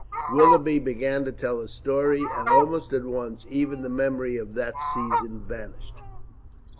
Willoughby began to tell his story, and almost at once even the memory of that season vanished.